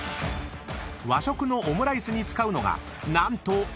［和食のオムライスに使うのが何とうなぎ！］